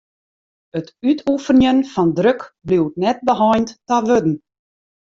It útoefenjen fan druk bliuwt net beheind ta wurden.